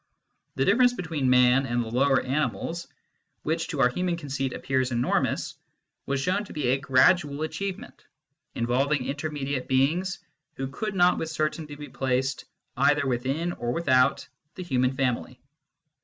The difference between man and the lower animals, which to our human conceit appears enormous, was shown to be a gradual achievement, involving intermediate being who could not with certainty be placed either within or with out the human family.